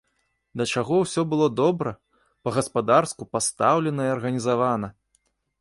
Да чаго ўсё было добра, па-гаспадарску пастаўлена і арганізавана!